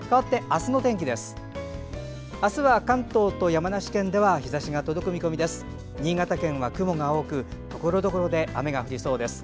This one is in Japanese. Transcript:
明日は関東と山梨県では日ざしが届く見込みです。